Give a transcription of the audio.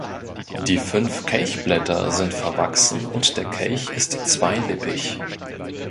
Die fünf Kelchblätter sind verwachsen und der Kelch ist zweilippig.